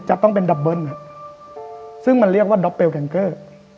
จะต้องเป็นดับเบิ้ลซึ่งมันเรียกว่าด็อปเบลแคนเกอร์